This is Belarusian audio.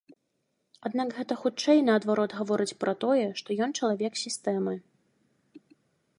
Аднак гэта хутчэй, наадварот, гаворыць пра тое, што ён чалавек сістэмы.